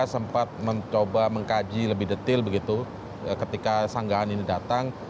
saya sempat mencoba mengkaji lebih detail begitu ketika sanggahan ini datang